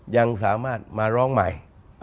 ยังสามารถมาร้องใหม่